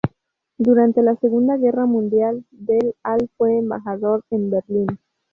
Durante la segunda guerra mundial, del al fue embajador en Berlín.